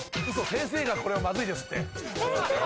⁉先生がこれはまずいですって。